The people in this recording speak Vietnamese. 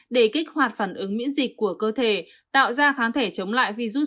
để kích hoạt phản ứng miễn dịch của cơ thể tạo ra kháng thể chống lại virus sars cov hai